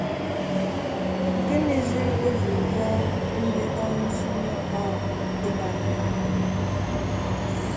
nke mezịrị o jiri hịa ndị ọrụ nsọnyụ ọkụ ahụ ịgbanyụ ha.